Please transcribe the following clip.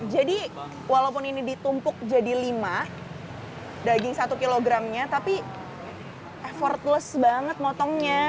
jadi walaupun ini ditumpuk jadi lima daging satu kg nya tapi effortless banget potongnya